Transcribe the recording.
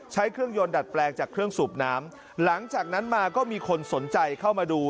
เครื่องยนต์ดัดแปลงจากเครื่องสูบน้ำหลังจากนั้นมาก็มีคนสนใจเข้ามาดู